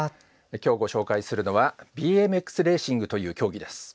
今日ご紹介するのはＢＭＸレーシングという競技です。